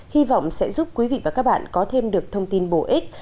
hy vọng sẽ giúp quý vị và các bạn có thêm được thông tin bổ ích